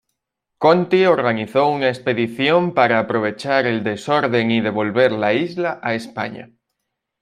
Conti organizó una expedición para aprovechar el desorden y devolver la isla a España.